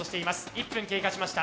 １分経過しました。